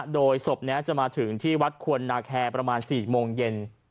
โดยศพนี้จะมาถึงที่วัดควรนาแคร์ประมาณ๔โมงเย็น